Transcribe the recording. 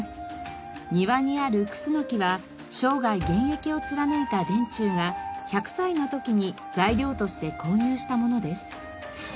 庭にあるクスノキは生涯現役を貫いた田中が１００歳の時に材料として購入したものです。